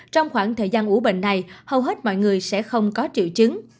trong khoảng thời gian ủ bệnh này hầu hết mọi người sẽ không có triệu chứng